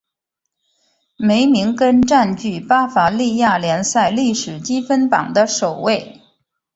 梅明根占据巴伐利亚联赛历史积分榜的首位。